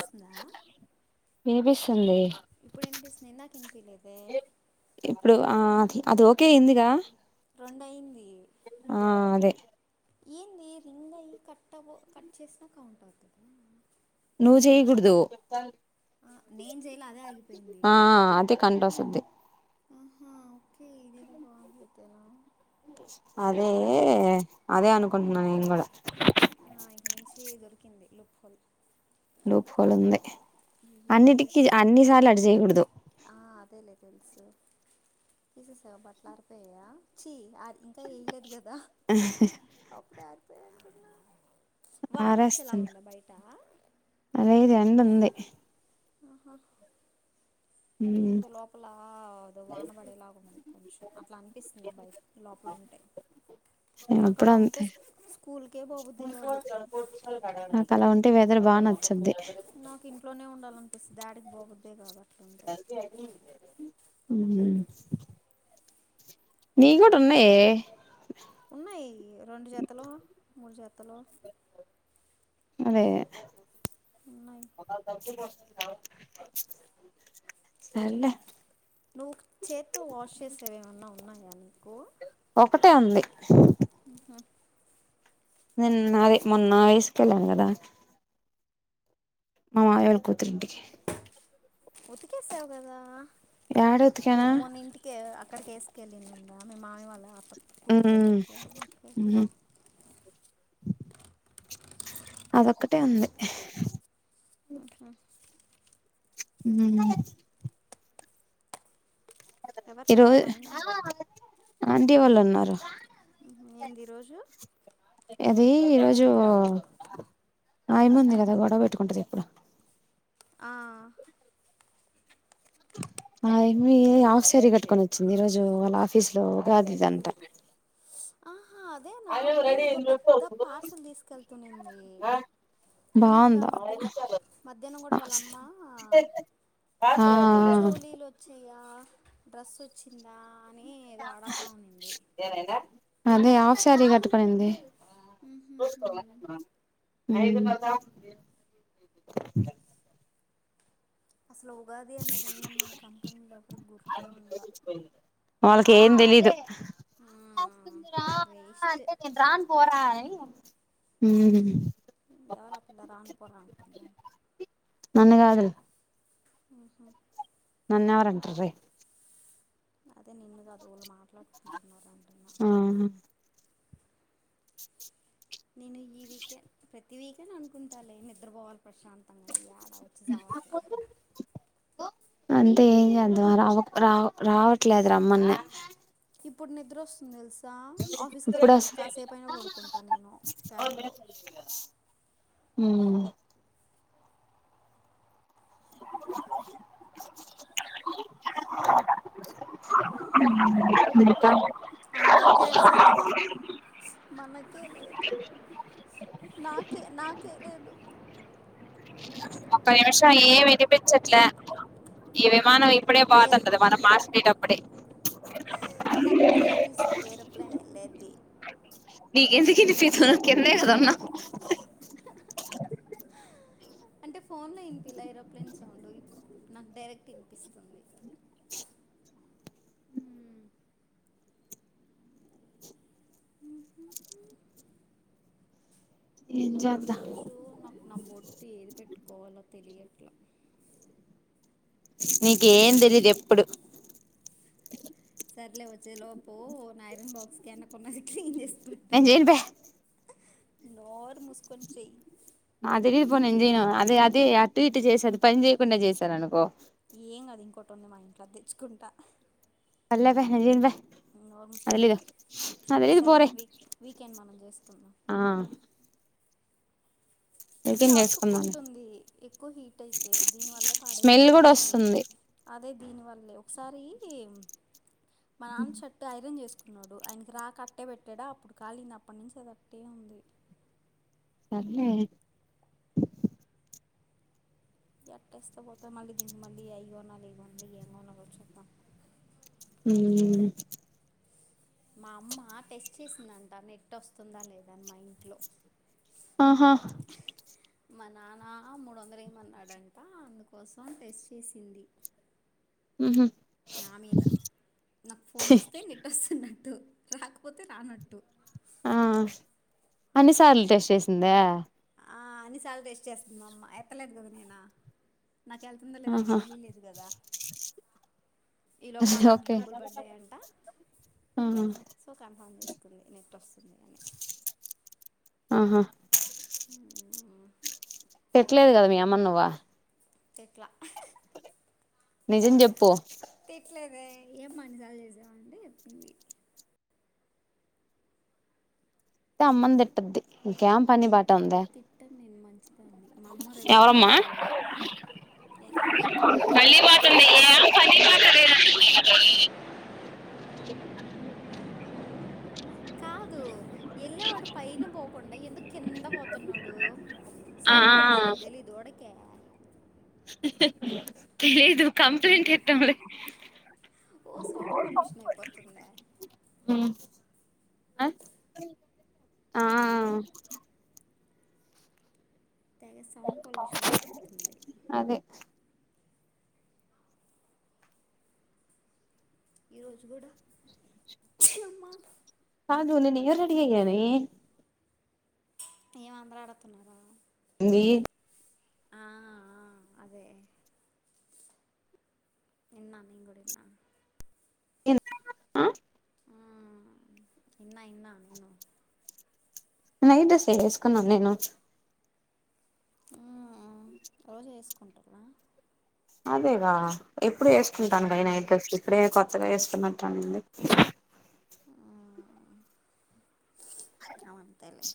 వస్తుందా వినిపిస్తుంది ఇప్పుడు వినిపిస్తుంది ఇందాక వినిపిలేదే ఇప్పుడు ఆ అది ఓకే ఇందిగా రొండుయింది అదే ఏంది రింగ్ అయ్యి కట్ అ కట్ చేసినా కౌంట్ అవుతుంది నువ్వు చేయ కుడదు ఆ నేను చేయలే అదే ఆగిపోయింది ఆ అదే కంటా సధది ఆహా ఓకే ఇదిన పో అయితేనా అదే అదే అనుకుంటున్నాను నేను కూడా ఆ ఇక్క నుంచి దొరికింది లుక్ [unintelligible] లోప్ల్ హోల్ ఉంది ఎస్ అన్నిటికిీ అన్ని సార్లు అటు చేయకూడదు ఆ అదేలేే ల్స్ తీసేసావా బట్టల ఆరిపోయాయా చీ అది ఇంకా వయలేదు కాదా అప్పుడ ఆరిపోయ వానొచ్చే ఆరేస్తున్నా ఎలాగుండ బయట కిందవుది ఆహా ఉమ్, ఎందు లోపల వానబడేలాగా ఉంది కొంచెం అట్లా అనిపిస్తుంది బైక్ లోపల ఉంటే నాకు అలా ఉంటే స్కూల్ [unintelligible] నుఉంటే నాకు ఇంట్లోనే ఉండాలనిపిస్తుంది ఏడికి పోబుద్ధి కాబట్టి అట్టుంటే హ్మ్ నీ కూడా ఉన్నాయే ఉన్నాయి రెండు జతలు మూడు జతలు మతలో అదే ఉన్నాయి [unintelligible] సర్లే నువ్వు చేత్ వాష్ చేసేవేమన్నావు ఉన్నాయ నీకు ఒకటే ఉంది హా నిన్న నావి మొన్న వయసుక ఎల్లాను కదా మా మామయ్య వాళ్ళకూతురింటికి ఉతికేసావు కదా యాడ ఊ ఉతికానా మొన ఇంటికే అక్కడకిసుకెళ్ళిందిం మీ మామయ్యవాళ్ళ అ కూతురు దగ్గరికి ఉమ్ అదొక్కటే ఉంది ఆ హా హ్మ్ ఎవరు లేరా ఈరోజు పైన ఆంటీ వాళ్ళు ఉన్నారు ఏంది రోజు ఎది ఈరోోజు హయమ ఉంది కదా గొడవ పెట్టుకుంటది ఎప్పుడు ఆ ఆ ఎం ఆఫ్ సారి కట్టుకొని వచ్చింది ఈ రోజు వాళ్ళ ఆఫీస్ లో కాదు ఇదంట ఆ అదే నా ఉదయం ఏదో పెద్ద పార్సల్ తీసుకెళ్తుంది ఇందాక బాగుందా మధ్య మధ్యాహ్నం కూడ వాళ్ళ అమ్మా ఆ చోలీలు వచ్చి దా డ్రెస్ వచ్చిందా అని ఏదో అడతా ఉనింది నేనెగా అదే ఆఫ్ శారీ కట్టుక నింది ఉహుహు అయిదున్నార్ దాక అసలు ఉగాది అనేది ఉందని మన కంపెనీలో ఎవరి గుర్తే ఉళ్ళ వాళ్ళకి ఏం తెలీద్ మ్మ్. రాస్తుంది రా వేస్ట్ అంటే నేను రాన్ పోరా అని హుమ్ ఎవర్రా పిల్ల రాను పోరా అంటె నన్ను కాదు లె ఉహు నన్నెవర్ అంటర్రె అదే నిన్ను కాదు ఎవళ్ళు మాట్లాడుకుంటున్నడి ఆ నేను ఈ వీకే ప్రతి వీకే అనుకుంటా లె నిద్రపోవాలి ప్రశాంతంగా అని చ్చ జవన్న అంటే ఏం కాదుర రా వ్ రా రావట్లేదు రమ్మనే ఇప్పుడు నిద్ర వస్తుంది తెలుస్ కదా ఆఫీస్కి ఇప్పుడు వెళ్ళేటప్పుడు వస్ కాసేపైనా కొడుకుంటాను నేను క్యాబ్లో మ్ ఇంక అందరికి రేప్ సెలవ మనకె నాకె నాకె లేదు ఒక్క నిమిషం ఏమ్ వినిపించట్లే ఈ విమానం ఐప్పుడే ఏరో పోతుండది మనమ్ మాస్కి అప్పుడె నాకు కూడా వినిపిస్తుంది ఏరోప్లేన్ వెళ్ళేది న ఎందుకిింది ఫీసు కిందే కద ఉన్నా అంద్ ఫోన్లో ఇనిపీల ఏరోప్లేన్ సౌండ్ నాక్ డైరెక్ట్ వినిపిస్తుంది ఏం చేద్దాం ఈరోజు నాకు నా బొట్టు ఏది పెట్టు కోవాలో తెలియట్లా నీకేం తెలీదు ఎప్పుడు సర్లే వచ్చే లోపు నా ఐరన్ బాక్స్ కి వెనకున్నాది క్లీన్ చేస్త నిను చేరాను ప నాత్ మూసుకొని చెయ్ నాకు తెలీదు పో నిను చేయ్యాను అది అదే అటు ఇటు చేసి అది పని చేయకుండా చేసాను అనుకో ఏం కదు ఇంకోటి ఉంది మా ఇంట్లో అది తెచ్చుకుంటా ఏమో నా నీను చెయ్యాను ప నొర్ ముస్కొని చెయ్ సరే తెలీదు సరే పోరే వీక్ వీకెండ్ మనం చేసుకుందాం ఆ ఇది టిఫిన్ చేసుకుందాంలే అతుకుంటుంది ఎక్కువ హీట్ అయితే దీని వల్ల స్మెల్ కూడా పాడైపోతున్నాయి వస్తుంది అదే దీనివల్లే ఒకసారి మా నాన్న షర్ట్ ఐరన్ చేసుకు న్నాడు ఆయనకి రాక అట్టే పెట్టాడా అప్పుడు కాలీంది అప్పటి నుంచి అది అట్టే ఉంది మరి ఎట్టేస్త పోతా మళ్ళీ దీనికి మళ్ళీ అయి కొనాలి ఇవి కొనాలి ఏం కొనలో చూద్దాం మ్మ్ మా అమ్మ టెస్ట్ చేసిందంట నెట్ వస్తుందా లేదని మా ఇంట్లో ఆహా మా నాన్న మూడు వందలు ఏమన్నాడంట అందుకోసం టెస్ట్ చేసింది ఉహూ నా మీద నాకు ఫోన్ వస్తే నెట్ వస్తున్నా ట్టు రాకపోతే రానట్టు ఆ ఎన్నిసార్లు టెస్ట్ చేసిందా అన్నిసార్లు టెస్ట్ చేస్తాది మా అమ్మ ఎత్తలేదు కద నేను నాకు వెళ్తుందా లేదా ఆమెకు ఆహా తెలియలేదు కదా ఈ లోపు మా నాన్న కు ఓకే డబ్బులు పడ్డాయి అంట ఆహా సో కన్ఫామ్ చేసుకుంది నెట్ వస్తుంది అని ఆహా హ్మ్ పెట్టలేదు కదా మీ అమ్మకు నువ్వు పెట్లా నిజం చెప్పు తిట్లేదే ఏం మా అన్నిసార్లు చేసావు అంటే చెప్పింది అయితే అమ్మ ని తిట్టాద్దు తిట్ తిట్టాను నేను మంచిదాన్ని మా అమ్మ రేపు ఎవరమ్మా రేపు మా అమ్మ ఎల్లే వాడు పైన పోకుండా ఎల్ కింద పోతున్నాడు ఆ సౌండ్ పొల్యూషన్ అని తెలిదు వాడికి తెలీదు కంప్లైంట్ ఎట్టాములే ఓ సౌండ్ పొల్యూషన్ అయిపోతుందా ఆ ఉమ్, అగ సౌండ్ పొల్యూషన్ వచ్చేస్తుంది అదే ఈరోజు కూడా అమ్మా కాదు నేనింగ రడి గయి అనే ఏం అందరు ఆడుతున్నార ది ఆ ఆ అదే నిన్నా నేను గుడా విన్న ఆ ఆ ఇన్న ఇన్న నేను నైట్ డ్రెస్సె వేసుకున్నా నేను ఆ రోజు వేసుకుంటార అదేగా ఎప్పుడు వేసుకుంటాను గా నైట్ డెస్స్ ఇప్పుడే కొత్తగా వేసుకున్నట్టుంది అవంతేలే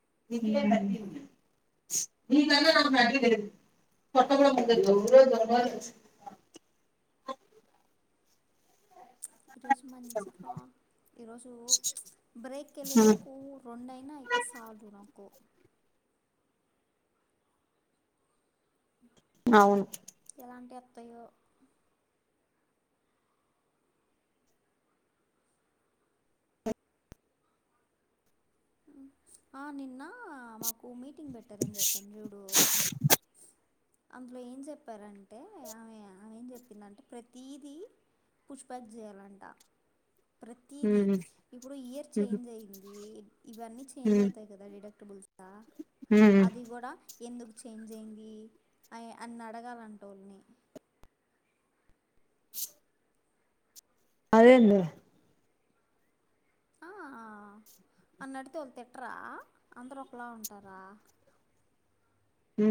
[unintelligible] ఈరోజు మంచిగా ఈరోజు ప్చ్ బ్రేకెళ్ళిలో పువ్వు రెండైనా అయితే సాదునా అవును ఏలాంటి వత్తయో ఆ నిన్న మా మాకు మిట్ మిటింగ్ పెటర్ చెప్పను జూడు అందులో ఏం చెప్పారంటే ఆవేం చెప్పిందంటే ప్రతీదీ పుష్పచ్చ చేయాలంట ప్రతిది ఉమ్ ఇప్పుడు ఇయర్ ఉమ్ చేంజ్ అయింది. ఇవన్నీ చేంజ్ ఉమ్ అవుతాయి గదా [unintelligible] డా ఉమ్ అది గూడ ఎందుకు చేంజ్ అయి్యంది అ అని అడగాలంటే వాళ్ళని అదే ఎందు ఆ అని నడితే వాళ్ళు తిట్టరా అందరు ఒకలా ఉంటారా హ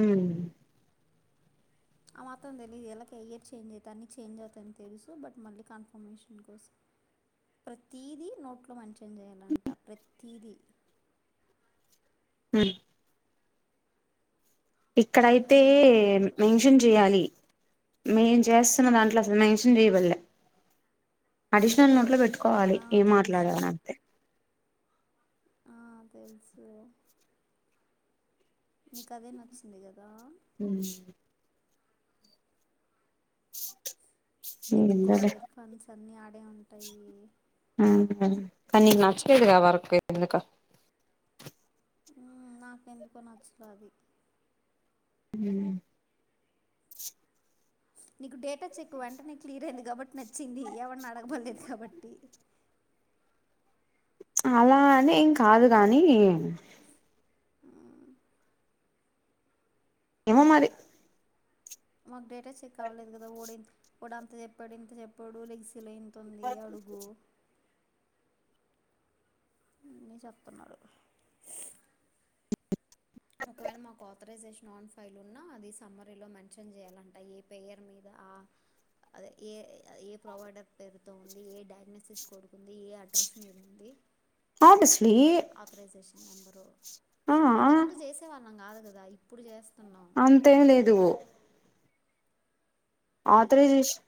ఆ మాత్రం తెలీయదు ఎలా కెరియర్ చేంజ్ అవుత అన్న చేంజ్ అవుతాని తెలుసు బట్ మళ్ళీ కన్ఫర్మేషన్ కోసం ప్రతీదీ నోట్లో మంచి చేేంజ్ చేయ్యాలంట ప్రతీదీ హ ఇక్కడయితే ఇంకేందేందో చెప్పారు మెన్షన్ చేయాలి మేము చేస్తున్న దాంట్లో అసలు మెన్షన్ చేయబలే అడిషనల్ నోట్లో పెట్టు కోవాలి ఆ ఏం తెలుసు మాట్లాడవానింతే ఆ తెలుసు నీకదే నచ్చింది కదా ఉమ్ [unintelligible] ఏందోలే ఎత్తుకోవలే ఫన్స్ అన్ని ఆడ్ ఉమ్, కన్నికు నచ్చలేదుగా వర్క్ ఎందుకొ ఉమ్, నాకె ఎందుకో నచ్చలే అది. హ్మ్ నీకు డే టచ్ ఎక్కువ, ఎంటనే క్లియర్ అయింది గాబట్టి నచ్ చింది ఎవడ్నడగబడ్లేద్ కబట్టి అలా అని ఏం కాదు గాని ఏమ్మో మరి మగ్డే చ్ ఎక్కువవలేదు గదా ఓడంది. ప్పుడు అంత చెప్పాడు, ఇంత చెప్పాడు లెగిసి కిలయితుంది అడుగు. అన్నీ చెప్తున్నాడు. ఒకవేళ మాకు ఆథరైజేషన్ ఆన్ ఫైల్ ఉన్నా, అది సమ్మరీలో మెన్షన్ చేయ్యాలంట ఏ పేయర్ మీద, ఆ అదె ఏ అది ఏ ప్రొవైడర్ పేరు? తో ఉంది, ఏ డయాగ్నోసిస్ కొడు ఉంది ఏ అడ్రస్ మీదుంది? ఆబ్వియస్లీ ఆథరైజేషన్ నెంబరు ఆ ఇంతకు ముందు జేసేవాళ్ళం కాదు కదా ఇప్పుడు చేస్తున్ అంతేంలేదు ఏయ్ ఆతరైజేశన్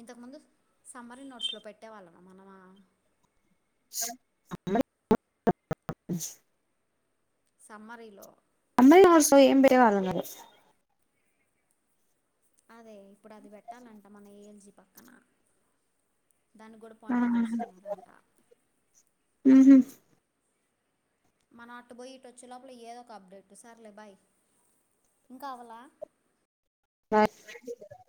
ఇంతకుముందు సమ్మరి నోట్స్లో పెట్టేవాళ్ళమా మనమా. [inaudible] సమ్మరిలో మల్లాఆర్స్ లో ఏం వేయాలన్నరు? అదే, ఇప్పుడు అది పెట్టాలంట మన ఏ ఎల్ జీ పక్కన దాన్ని కూడా పాయింట్లు తీస్తున్నరంట. ఉమ్ హు మనం అటు పోయి ఇటోచ్చే లోపల ఏదో ఒక అప్డేట్, సర్లే బాయ్. ఇంకా అవలా? [unintelligible]